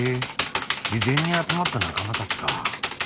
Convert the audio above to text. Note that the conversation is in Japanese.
自然に集まった仲間たちか。